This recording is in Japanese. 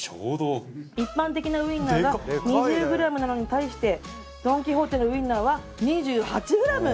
一般的なウインナーが２０グラムなのに対してドン・キホーテのウインナーは２８グラム。